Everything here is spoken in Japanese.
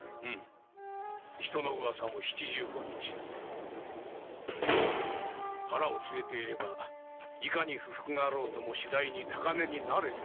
人のウワサも七十五日腹を据えていればいかに不服があろうともしだいに高値に慣れてくるであろうとな。